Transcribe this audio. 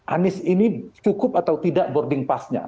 anies ini cukup atau tidak boarding passnya